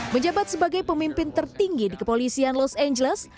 menjabat sebagai pemimpin tertinggi di kepolisian los angeles